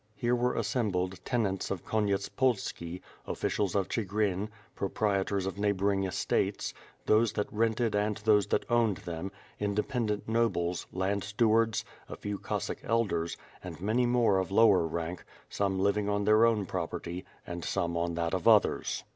Here were assembled tenants of Kon yetspolski, officials of Chigrin, proprietors of neighboring estates, those that rented and those that owned them, inde pendent nobles, land stewards, a few Cossack elders, and many more of lower rank, some living on their own property, and some on that of others.